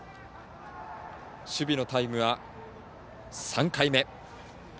守備のタイムは３回目。